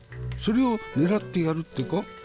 それを狙ってやるってか？